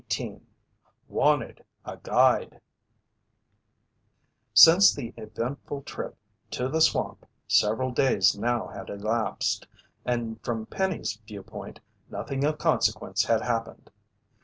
CHAPTER 18 WANTED A GUIDE Since the eventful trip to the swamp, several days now had elapsed, and from Penny's viewpoint, nothing of consequence had happened.